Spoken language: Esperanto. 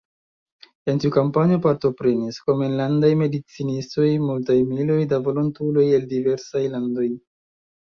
En tiu kampanjo partoprenis, krom enlandaj medicinistoj, multaj miloj da volontuloj el diversaj landoj.